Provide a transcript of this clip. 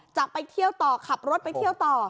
จะไปเที่ยวต่อขับรถไปเที่ยวต่อ